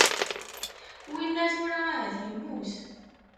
Winna tura ahat yemmut.